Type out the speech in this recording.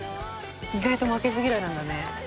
「意外と負けず嫌いなんだね」